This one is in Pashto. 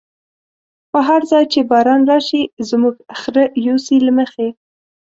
په هر ځای چی باران راشی، زموږ خره يوسی له مخی